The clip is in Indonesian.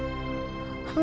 kenapa gue ketemu yang asli